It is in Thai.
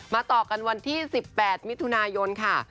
ต่อกันวันที่๑๘มิถุนายนค่ะ